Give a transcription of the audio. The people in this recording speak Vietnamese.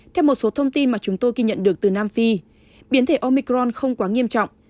theo một số thông tin mà chúng tôi ghi nhận được từ nam phi biến thể omicron không quá nghiêm trọng